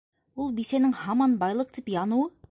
Ул бисәнең һаман байлыҡ тип яныуы.